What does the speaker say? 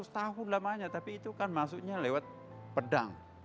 lima ratus tahun lamanya tapi itu kan masuknya lewat pedang